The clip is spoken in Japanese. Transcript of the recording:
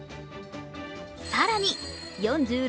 更に４６